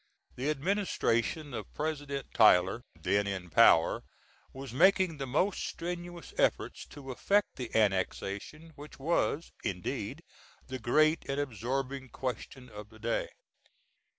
The administration of President Tyler, then in power, was making the most strenuous efforts to effect the annexation, which was, indeed, the great and absorbing question of the day.